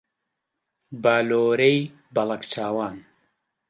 بالۆرەی بەڵەک چاوان